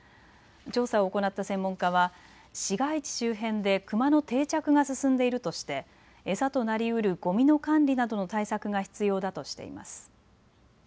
調査を行った専門家は市街地周辺でクマの定着が進んでいるとして餌となり得るゴミの管理などの対策が必要だとしています。